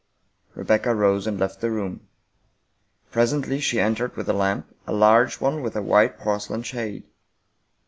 ' Rebecca rose and left the room. Presently she entered with a lamp — a large one with a white porcelain shade.